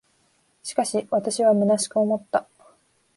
しかし、私は虚しく思った。